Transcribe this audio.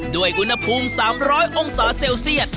ด้วยอุณหภูมิ๓๐๐องศาเซลเซียต